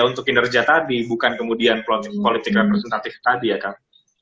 untuk kinerja tadi bukan kemudian politik representatif tadi ya kang